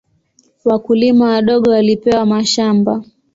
Wakulima wadogo walipewa mashamba.